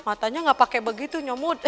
matanya enggak pakai begitu nyomot